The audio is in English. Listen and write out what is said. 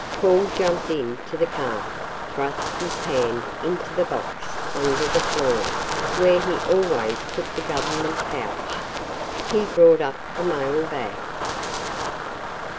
Paul jumped into the car thrust his hand into the box under the floor, where he always put the government pouch. He brought up the mailbag.